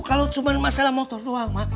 kalau cuma masalah motor doang